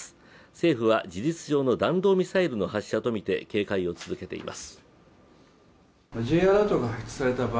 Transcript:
政府は事実上の弾道ミサイルの発射とみて、警戒を続けています。